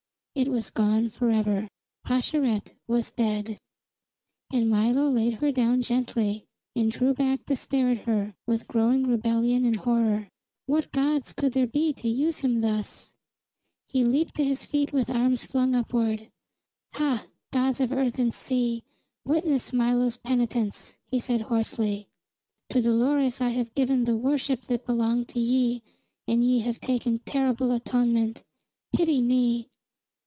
It was gone forever. Pascherette was dead; and Milo laid her head down gently, and drew back to stare at her with growing rebellion and horror. What gods could there be to use him thus? He leaped to his feet with arms flung upward. "Hah, gods of earth and sea, witness Milo's penitence!" he said hoarsely. "To Dolores I have given the worship that belonged to ye and ye have taken terrible atonement. Pity me!"